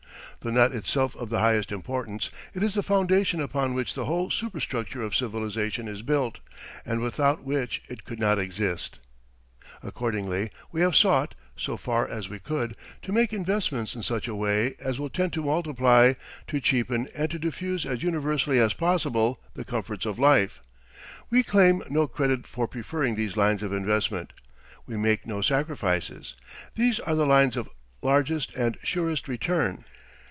Though not itself of the highest importance, it is the foundation upon which the whole superstructure of civilization is built, and without which it could not exist. Accordingly, we have sought, so far as we could, to make investments in such a way as will tend to multiply, to cheapen, and to diffuse as universally as possible the comforts of life. We claim no credit for preferring these lines of investment. We make no sacrifices. These are the lines of largest and surest return.